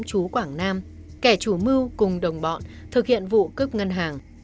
chú quảng nam kẻ chủ mưu cùng đồng bọn thực hiện vụ cướp ngân hàng